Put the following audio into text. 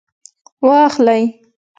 واخلئ